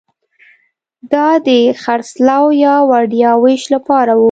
دا د خرڅلاو یا وړیا وېش لپاره وو